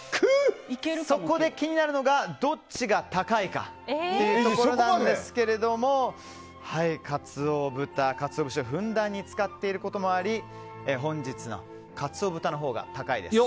そこで気になるのがどっちが高いかというところなんですが鰹豚はカツオ節をふんだんに使っていることもあり本日の鰹豚のほうが高いです。